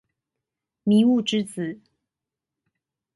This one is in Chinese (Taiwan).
迷霧之子